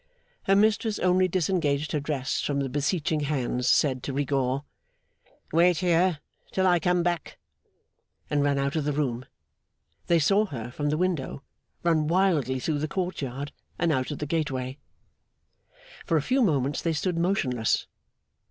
Her mistress only disengaged her dress from the beseeching hands, said to Rigaud, 'Wait here till I come back!' and ran out of the room. They saw her, from the window, run wildly through the court yard and out at the gateway. For a few moments they stood motionless.